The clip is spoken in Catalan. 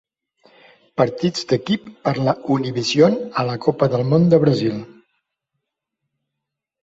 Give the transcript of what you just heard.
Partits d'equip per la Univision a la Copa del Món de Brasil.